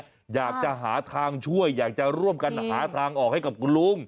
อยากจะหาทางช่วยอยากจะร่วมกันหาทางออกให้กับคุณลุง